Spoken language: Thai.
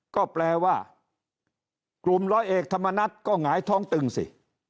ก็แปลว่ากลุ่มร้อยเอกธรรมนัฐก็หงายท้องตึงสิ